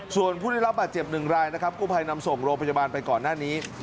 ส่วนผู้ได้รับบาดเจ็บหนึ่งรายนะครับกู้ภัยนำส่งโรงพยาบาลไปก่อนหน้านี้